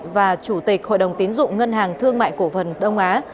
và chủ tịch hội đồng tiến dụng ngân hàng thương mại cổ phần đông á